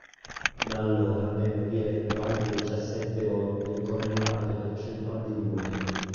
Da allora venne rieletto altre diciassette volte con elevate percentuali di voto.